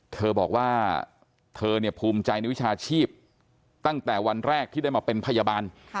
เธอบอกว่าเธอเนี่ยภูมิใจในวิชาชีพตั้งแต่วันแรกที่ได้มาเป็นพยาบาล